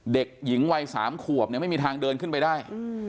เด็กหญิงวัย๓ขวบเนี่ยไม่มีทางเดินขึ้นไปได้